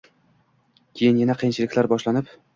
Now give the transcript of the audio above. Keyin yana qiyinchiliklar boshlanib